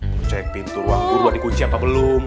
ngecek pintu ruang burung udah dikunci apa belum